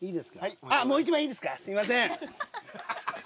すいません。